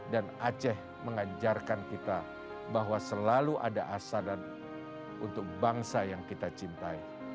dan aceh mengajarkan kita bahwa selalu ada asadan untuk bangsa yang kita cintai